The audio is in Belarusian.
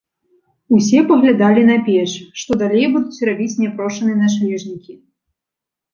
Усе паглядалі на печ, што далей будуць рабіць няпрошаныя начлежнікі.